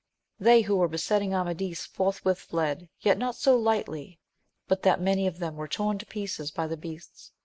They who were besetting Amadis forthwith fled, yet not so lightly but that many of them were torn to pieces by the beasts.